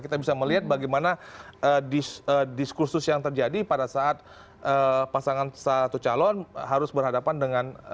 kita bisa melihat bagaimana diskursus yang terjadi pada saat pasangan satu calon harus berhadapan dengan